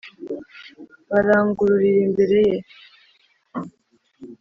barangururira imbere ye.